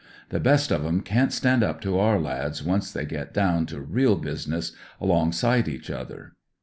The best of em can't stand up to our lads once tht \ get down CO rea business alongsi '■ eaci other.